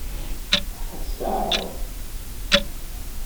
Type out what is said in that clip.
Ad tt-teɛreḍ.